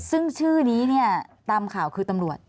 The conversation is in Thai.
ซึ่งชื่อนี้เนี่ยตามข่าวคือตำรวจ